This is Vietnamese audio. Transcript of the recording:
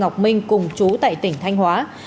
ngọc minh cùng chú tại tỉnh thanh hóa